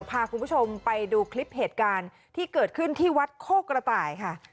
พาคุณผู้ชมไปดูคลิปเหตุการณ์ที่เกิดขึ้นที่วัดโคกระต่ายค่ะ